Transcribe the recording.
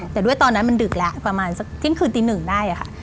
แต่ด้วยตอนนั้นมันดึกแล้วประมาณสักเที่ยงคืนตีหนึ่งได้ค่ะ